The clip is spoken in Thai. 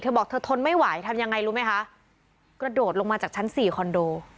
บอกเธอทนไม่ไหวทำยังไงรู้ไหมคะกระโดดลงมาจากชั้นสี่คอนโด